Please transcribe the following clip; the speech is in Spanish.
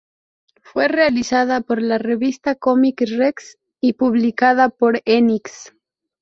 Fue serializada por la revista Comic Rex y publicada por Enix.